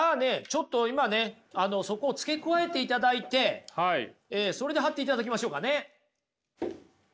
ちょっと今ねそこを付け加えていただいてそれで貼っていただきましょうかね。